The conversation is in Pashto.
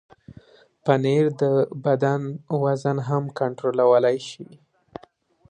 پنېر د بدن وزن هم کنټرولولی شي.